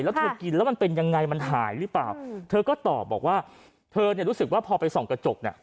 แล้วเธอกินแล้วมันเป็นยังไงมันหายหรือเปล่าเธอก็ตอบบอกว่าเธอเนี่ยรู้สึกว่าพอไปส่องกระจกเนี่ย